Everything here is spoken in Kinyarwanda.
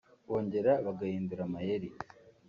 bongera bagahindura amayeri